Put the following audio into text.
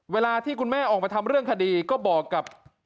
เวลาที่คุณแม่ออกมาทำเรื่องคดีก็บอกกับ